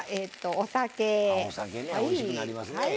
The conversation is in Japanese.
おいしくなりますね。